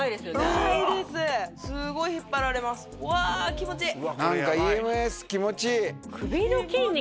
気持ちいい。